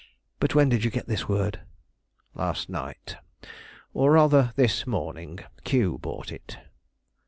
But when did you get this word?" "Last night, or rather this morning; Q brought it."